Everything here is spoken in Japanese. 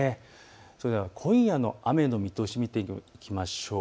それでは今夜の雨の見通しを見ていきましょう。